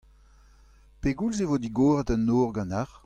Pegoulz e vo digoret an nor ganeoc'h ?